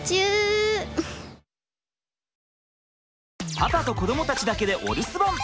パパと子どもたちだけでお留守番。